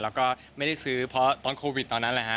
แล้วก็ไม่ได้ซื้อเพราะตอนโควิดตอนนั้นแหละฮะ